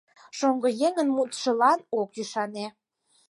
Шоҥгыеҥын мутшылан от ӱшане.